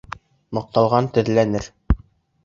Маҡталған теҙләнер.